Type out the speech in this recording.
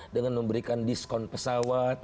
dengan memberikan diskon pesawat